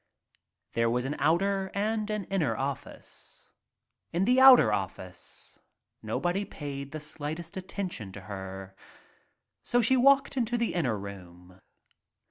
There was an outer and and inner office. In the outer office nobody paid the slightest attention to her, so she walked into the inner room.